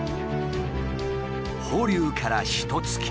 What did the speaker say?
放流からひとつき。